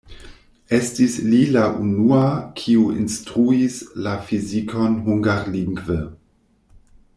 Estis li la unua, kiu instruis la fizikon hungarlingve.